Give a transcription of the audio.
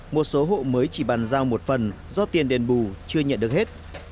một số hộ mới chỉ bàn giao một phần do tiền đền bù chưa nhận được hết